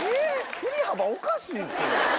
振り幅おかしいって！